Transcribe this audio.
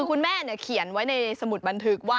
คือคุณแม่เขียนไว้ในสมุดบันทึกว่า